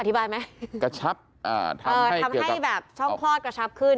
อธิบายไหมกระชับอ่าทำให้แบบช่องคลอดกระชับขึ้น